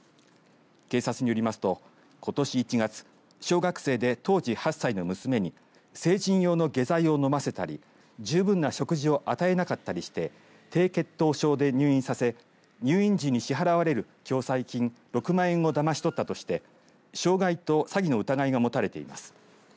警察によりますとことし１月小学生で当時８歳の娘に成人用の下剤を飲ませたり十分な食事を与えなかったりして低血糖症で入院させ入院時に支払われる共済金６万円をだまし取ったとして傷害と詐欺の疑いが持たれています。